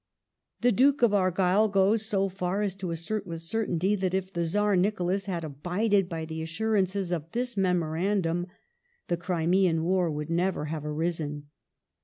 The Duke of Argyll goes so far as to assert with certainty "that if the Czar Nicholas had abided by the assurances of this Memorandum the Crimean War would never have arisen